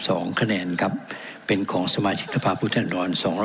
สองคะแนนครับเป็นของสมาชิกสภาพผู้แทนรสองร้อ